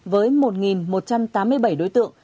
với một một trăm tám mươi bảy đối tượng